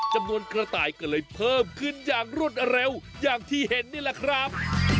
จำนวนกระต่ายก็เลยเพิ่มขึ้นอย่างรวดเร็วอย่างที่เห็นนี่แหละครับ